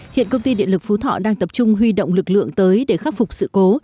hiện công ty điện lực phú thọ đang tập trung huy động lực lượng tới để khắc phục sự cố